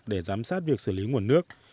để giám sát việc xử lý nguồn nước